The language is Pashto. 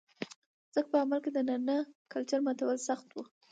ځکه په عمل کې د نارينه کلچر ماتول سخت و